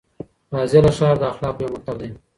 فاضله ښار د اخلاقو یو مکتب دی.